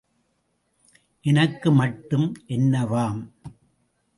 எனக்கு மட்டும் என்னவாம்?